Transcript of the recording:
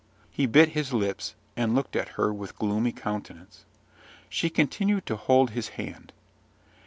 He bit his lips, and looked at her with a gloomy countenance. She continued to hold his hand.